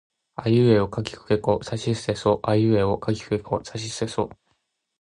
あいうえおかきくけこさしすせそあいうえおかきくけこさしすせそ